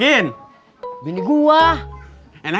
bang bang ojek